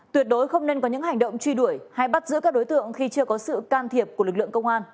tuyệt đối không nên có những hành động truy đuổi hay bắt giữ các đối tượng khi chưa có sự can thiệp của lực lượng công an